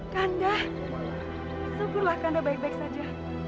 kanda syukurlah kanda baik baik saja